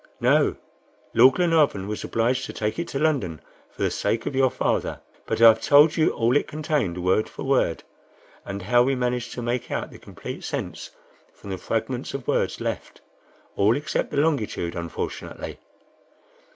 "No. Lord Glenarvan was obliged to take it to London, for the sake of your father; but I have told you all it contained, word for word, and how we managed to make out the complete sense from the fragments of words left all except the longitude, unfortunately."